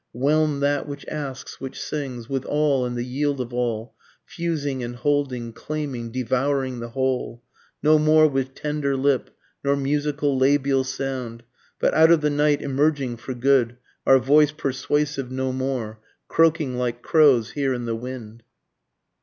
whelm that which asks, which sings, with all and the yield of all, Fusing and holding, claiming, devouring the whole, No more with tender lip, nor musical labial sound, But out of the night emerging for good, our voice persuasive no more, Croaking like crows here in the wind.